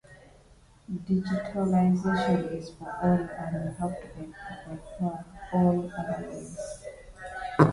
Different research traditions make use of slightly different hierarchies.